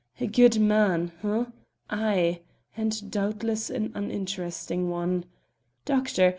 A good man! H'm! Ay! and doubtless an uninteresting one. Doctor!